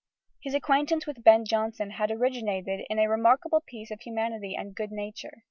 His acquaintance with Ben Jonson had originated in "a remarkable piece of humanity and good nature."